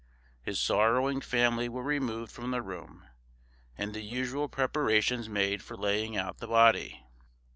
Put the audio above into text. His sorrowing family were removed from the room, and the usual preparations made for laying out the body.